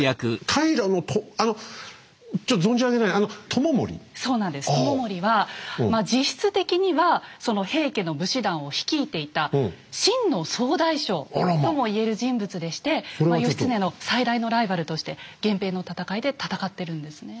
知盛はまあ実質的にはその平家の武士団を率いていた真の総大将とも言える人物でして義経の最大のライバルとして源平の戦いで戦ってるんですね。